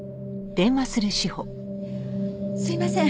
すいません。